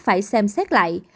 phải xem xét lại